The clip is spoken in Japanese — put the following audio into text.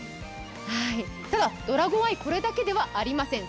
ただ、ドラゴンアイこれだけではありません。